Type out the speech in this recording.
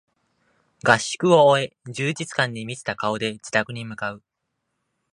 合宿を終え充実感に満ちた顔で自宅に向かう